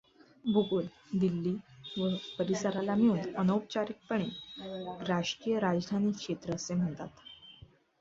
भूगोल दिल्ली व परिसराला मिळून अनौपचारिकपणे राष्ट्रीय राजधानी क्षेत्र असे म्हणतात.